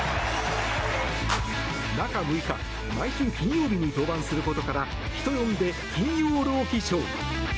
中６日毎週金曜日に登板することから人呼んで「金曜ロウキショー」。